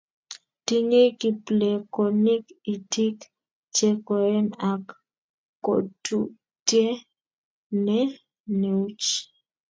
Tinyei kiblekonik itik che koen ak kotutie ne nuech